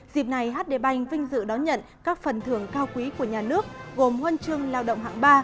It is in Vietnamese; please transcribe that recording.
dịp này hd bành vinh dự đón nhận các phần thưởng cao quý của nhà nước gồm huân chương lao động hạng ba